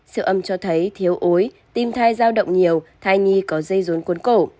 siêu âm cho thấy thiếu ối tim thai giao động nhiều thai nhi có dây rốn cuốn cổ